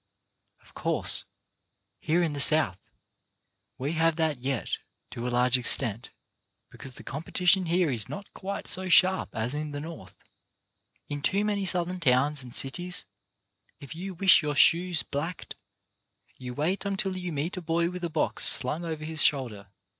Of course, here in the South, we have that yet, to a large extent, because the competition here is not quite so sharp as in the North. In too many Southern towns and cities, if you wish your shoes blacked, you wait until you meet a boy with a box slung over his shoulder.